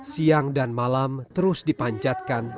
siang dan malam terus dipanjatkan